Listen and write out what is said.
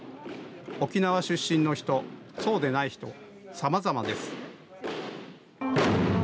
沖縄出身の人、そうでない人さまざまです。